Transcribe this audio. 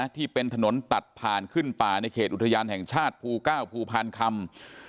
ที่เป็นถนนตัดผ่านขึ้นป่าในเขตอุทยานแห่งชาติภูเก้าภูพานคำ